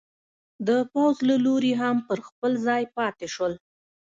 د پوځ له لوري هم پر خپل ځای پاتې شول.